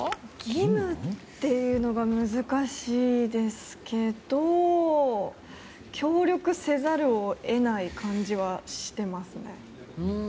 義務っていうのが難しいですけど協力せざるを得ない感じはしていますね。